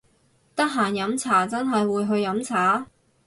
得閒飲茶真係會去飲茶！？